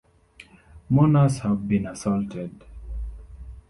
Mourners have been assaulted.